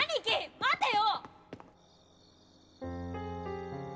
待てよ！